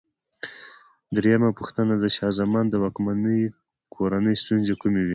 درېمه پوښتنه: د شاه زمان د واکمنۍ کورنۍ ستونزې کومې وې؟